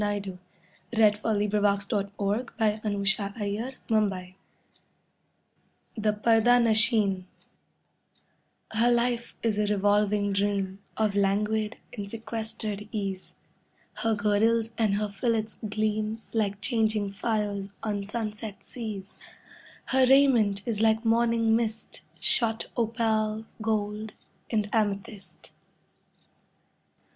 Living jewel, may you be Laughter bound and sorrow free. THE PARDAH NASHIN Her life is a revolving dream Of languid and sequestered ease; Her girdles and her fillets gleam Like changing fires on sunset seas; Her raiment is like morning mist, Shot opal, gold and amethyst.